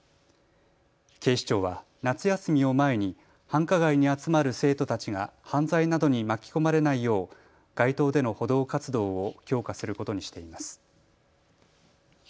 警視庁は夏休みを前に繁華街に集まる生徒たちが犯罪などに巻き込まれないよう街頭での補導活動を強化することにしています。